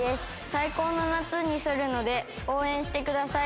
最高の夏にするので応援してください。